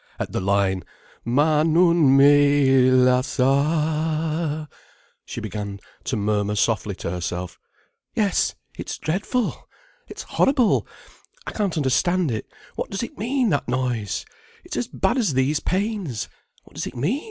At the line— Ma nun me lasciar'— she began to murmur softly to herself—"Yes, it's dreadful! It's horrible! I can't understand it. What does it mean, that noise? It's as bad as these pains. What does it mean?